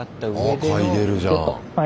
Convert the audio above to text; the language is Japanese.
あ嗅いでるじゃん。